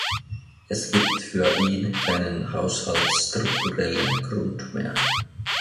Es gibt für ihn keinen haushaltsstrukturellen Grund mehr.